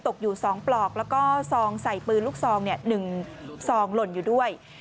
ตกอยู่๒ปลอกแล้วก็ซองใส่ปืนลูกซอง๑ซองหล่นอยู่ด้วย